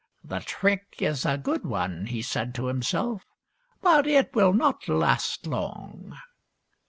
" The trick is a good one," he said to himself, " but it will not last long."